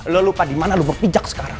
lo lupa dimana lo berpijak sekarang